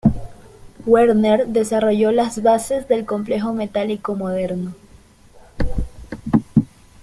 Werner desarrolló las bases del complejo metálico moderno.